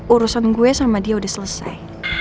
urusan gue sama dia udah selesai